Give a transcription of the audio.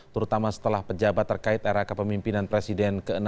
terutama setelah pejabat terkait era kepemimpinan presiden ke enam